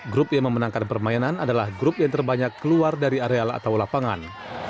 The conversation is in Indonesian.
grup yang memenangkan permainan adalah grup yang terbanyak keluar dari areal atau lapangan